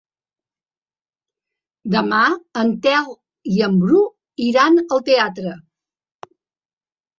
Demà en Telm i en Bru iran al teatre.